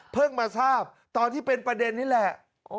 มาทราบตอนที่เป็นประเด็นนี่แหละ